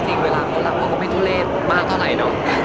จริงเวลาของเราก็ไม่ทะเลมาก็ไหลนอ